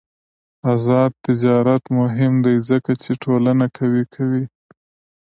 آزاد تجارت مهم دی ځکه چې ټولنه قوي کوي.